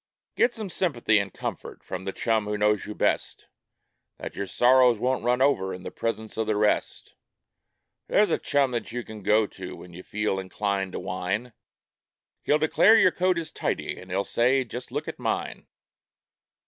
Get some sympathy and comfort from the chum who knows you best, Then your sorrows won't run over in the presence of the rest ; There's a chum that you can go to when you feel inclined to whine, He'll declare your coat is tidy, and he'll say : "Just look at mine